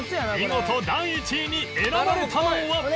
見事第１位に選ばれたのは